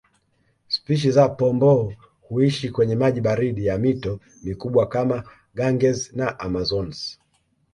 Spishi za Pomboo huishi kwenye maji baridi ya mito mikubwa kama Ganges na Amazones